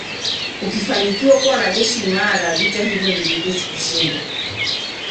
Ukifanikiwa kuwa na jeshi imara vita hiyo ni vyepesi kuishinda